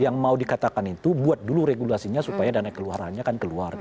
yang mau dikatakan itu buat dulu regulasinya supaya dana keluarannya kan keluar